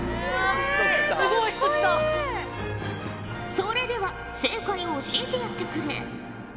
それでは正解を教えてやってくれ。